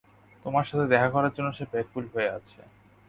তোমার সাথে দেখা করার জন্য সে ব্যাকুল হয়ে আছে।